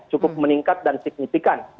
cukup meningkat dan signifikan